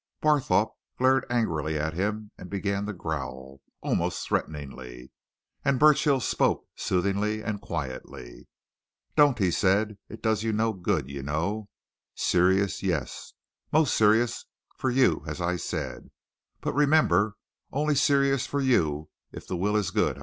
Barthorpe glared angrily at him and began to growl, almost threateningly. And Burchill spoke, soothingly and quietly. "Don't," he said. "It does no good, you know. Serious yes. Most serious for you, as I said. But remember only serious for you if the will is good.